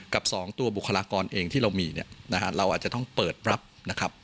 กับสองตัวบุคลากรเองที่เรามีเราอาจจะต้องเปิดรับ